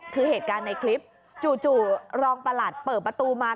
คือเหตุการณ์ในคลิปจู่รองประหลัดเปิดประตูมา